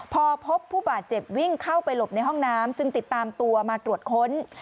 พอพบผู้บาดเจ็บวิ่งเข้าไปหลบในห้องน้ำจึงติดตามตัวมาตรวจค้น